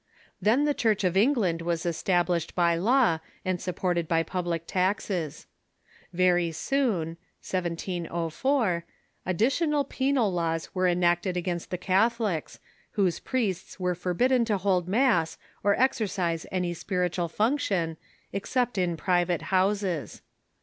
Then the Church of England .was established by law and sujtported by public taxes. Very soon (1704) additional penal laws were enacted against the Catholics, whose priests were forbidden to hold mass or exercise any spiritual function, except in pri vate houses.